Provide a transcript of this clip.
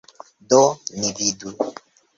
Do ni vidu.